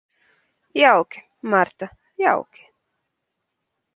Jauki, Marta, jauki.